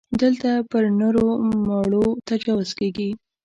دلته پر نرو مړو تجاوز کېږي.